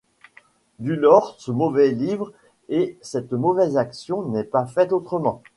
Dulaure, ce mauvais livre et cette mauvaise action, n’est pas faite autrement.